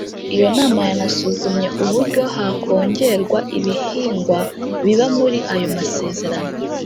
Iyo nama yanasuzumye uburyo hakongerwa ibihingwa biba muri ayo masezerano